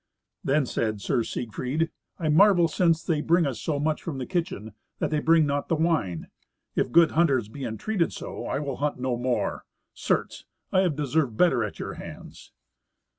Then said Sir Siegfried, "I marvel, since they bring us so much from the kitchen, that they bring not the wine. If good hunters be entreated so, I will hunt no more. Certes, I have deserved better at your hands."